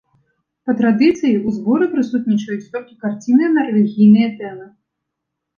Па традыцыі ў зборы прысутнічаюць толькі карціны на рэлігійныя тэмы.